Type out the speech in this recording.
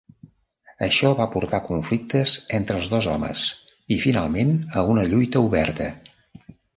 Això va portar a conflictes entre els dos homes i finalment a una lluita oberta.